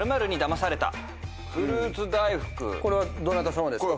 これはどなたさまですか？